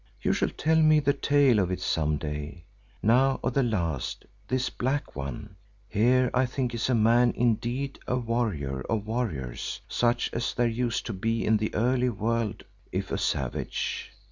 You shall tell me the tale of it some day. Now of the last, this Black One. Here I think is a man indeed, a warrior of warriors such as there used to be in the early world, if a savage.